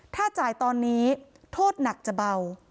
ถ้าจ่ายตอนนี้โทษหนักจะเบา